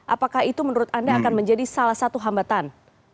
apakah itu menurut anda akan menjadi salah satu hambatan